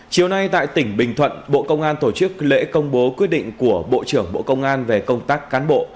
chiều nay tại tỉnh bình thuận bộ công an tổ chức lễ công bố quyết định của bộ trưởng bộ công an về công tác cán bộ